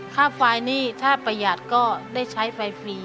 ค่าไฟนี่ถ้าประหยัดก็ได้ใช้ไฟฟรี